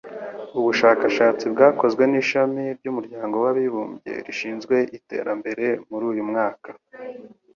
Ubushakashatsi bwakozwe n'Ishami ry'Umuryango w'Abibumbye rishinzwe Iterambere muri uyu mwaka